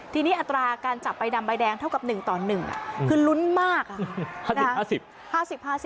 ทีนี้อัตราการจับใบดำใบแดงเท่ากับ๑ต่อ๑คือลุ้นมาก